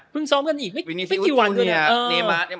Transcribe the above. เพิ่งซ้อมกันอีกไม่กี่วันก็เนี่ย